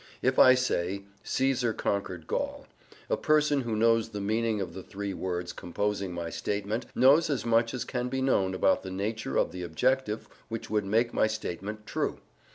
If I say "Caesar conquered Gaul," a person who knows the meaning of the three words composing my statement knows as much as can be known about the nature of the objective which would make my statement true.